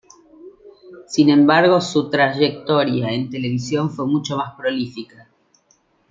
Sin embargo, su trayectoria en televisión fue mucho más prolífica.